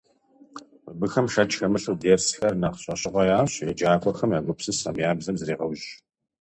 Мыбыхэм, шэч хэмылъу, дерсхэр нэхъ щӏэщыгъуэ ящӏ, еджакӏуэхэм я гупсысэм, я бзэм зрегъэужь.